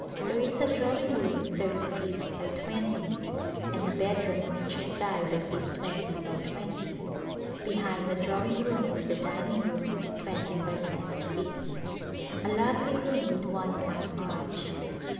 if There is a drawing room thirty feet by twenty and a bedroom on each side of this twenty by twenty; behind the drawing room is the dining room twenty by twenty feet — a lovely room with one fine arch.